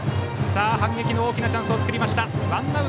反撃の大きなチャンスを作り